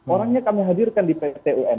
orangnya kami hadirkan di pt un